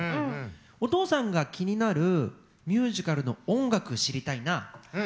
お父さんが気になるミュージカルの音楽知りたいな。